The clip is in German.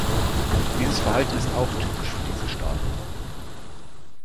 Dieses Verhalten ist auch typisch für diese Staaten.